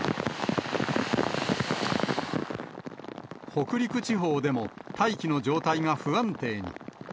北陸地方でも大気の状態が不安定に。